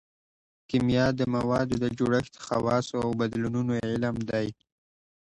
کیمیا د موادو د جوړښت خواصو او بدلونونو علم دی